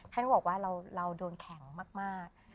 ท่านก็บอกว่าเราโดนแข็งมาก